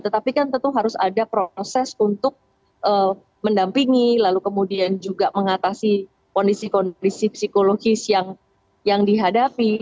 tetapi kan tentu harus ada proses untuk mendampingi lalu kemudian juga mengatasi kondisi kondisi psikologis yang dihadapi